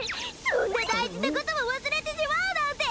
そんなだいじなこともわすれてしまうなんて！